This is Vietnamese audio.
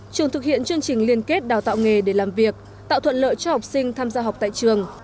trường thực hiện chương trình liên kết đào tạo nghề để làm việc tạo thuận lợi cho học sinh tham gia học tại trường